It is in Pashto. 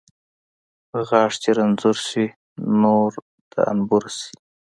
غاښ چې رنځور شي، نور د انبور شي.